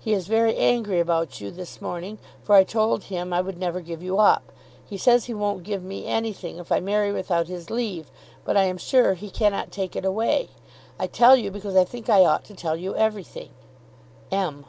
He is very angry about you this morning, for I told him I would never give you up. He says he won't give me anything if I marry without his leave. But I am sure he cannot take it away. I tell you, because I think I ought to tell you everything. M.